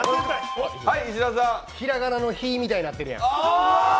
ひらがなの「ひ」みたいになってるやん。